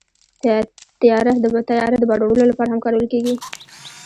طیاره د بار وړلو لپاره هم کارول کېږي.